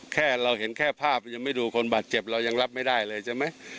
แค่เราเห็นแค่ภาพยังไม่ดูคนบาดเจ็บเรายังรับไม่ได้เลยใช่ไหม